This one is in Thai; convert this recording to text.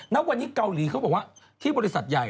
ณวันนี้เกาหลีเขาบอกว่าที่บริษัทใหญ่